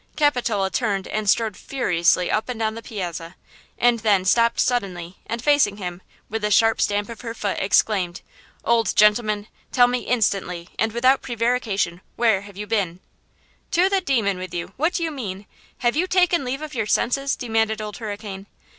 Capitola turned and strode furiously up and down the piazza, and then, stopped suddenly and facing him, with a sharp stamp of her foot exclaimed: "Old gentleman! Tell me instantly and without prevarication, where you have been?" "To the demon with you! What do you mean? Have you taken leave of your senses?" demanded Old Hurricane.